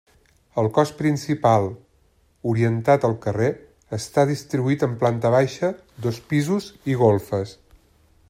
El cos principal, orientat al carrer, està distribuït en planta baixa, dos pisos i golfes.